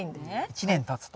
１年たつと。